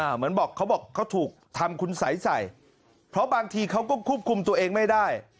เหมือนบอกเขาบอกเขาถูกทำคุณสัยใส่เพราะบางทีเขาก็ควบคุมตัวเองไม่ได้